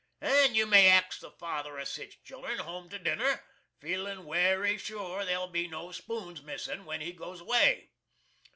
And you may ax the father of sich children home to dinner, feelin werry sure there'll be no spoons missin' when he goes away.